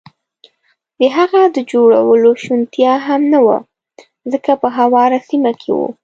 د هغه د جوړولو شونتیا هم نه وه، ځکه په هواره سیمه کې و.